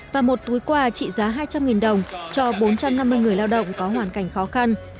và một túi quà trị giá hai trăm linh đồng cho bốn trăm năm mươi người lao động có hoàn cảnh khó khăn